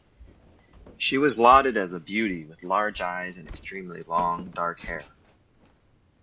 She was lauded as a beauty with large eyes and extremely long, dark hair.